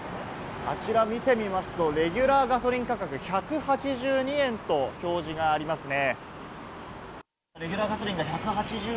あちら見てみますと、レギュラーガソリン価格１８２円と表示がありますね。